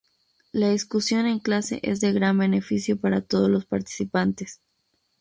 La discusión en clase es de gran beneficio para todos los participantes.